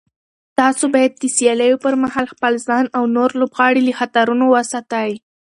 تاسو باید د سیالیو پر مهال خپل ځان او نور لوبغاړي له خطرونو وساتئ.